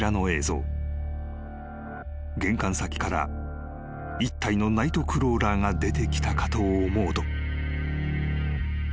［玄関先から１体のナイトクローラーが出てきたかと思うと］